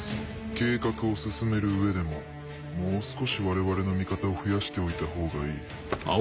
計画を進める上でももう少し我々の味方を増やしておいた方がいい。